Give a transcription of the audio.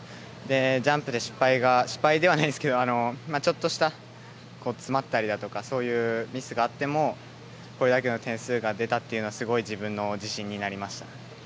ジャンプで失敗が失敗ではないんですけどちょっとした詰まったりとかそういうミスがあってもこれだけの点数が出たというのはすごい自分の自信になりました。